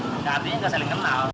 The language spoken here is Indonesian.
artinya tidak saling kenal